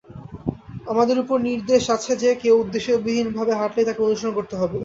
আমাদের উপর নির্দেশ আছে যে কেউ উদ্দেশ্যবিহীনভাবে হাঁটলেই তাকে অনুসরণ করতে হবে।